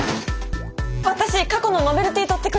私過去のノベルティ取ってくる！